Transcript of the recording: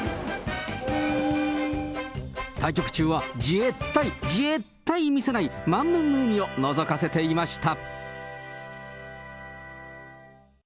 対局中は、じぇったい、じぇったい見せない、満面の笑みをのぞかせていました。